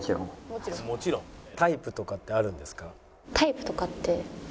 「タイプとかってあるんですか？」。